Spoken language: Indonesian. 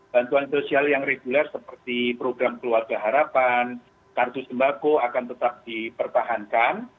bantuan sosial yang reguler seperti program keluarga harapan kartu sembako akan tetap dipertahankan